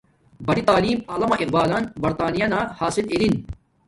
بڑی تعیم وعلامہ اقبالن برتانہ یانا حاصل ارن